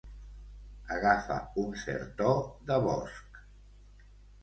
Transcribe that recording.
Agafa un cert to de bosc